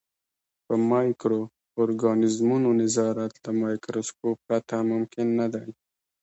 په مایکرو ارګانیزمونو نظارت له مایکروسکوپ پرته ممکن نه دی.